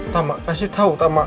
tak mak saya tahu tak mak